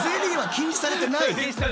禁止されてない。